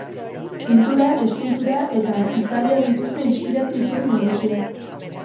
Pintura, eskultura eta izadia dituzte inspirazio-iturri nagusiak.